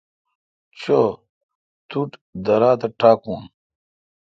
چو۔ تو ٹھ۔ درا تہ ٹاکون۔